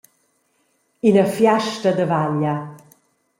Ina fiasta da vaglia.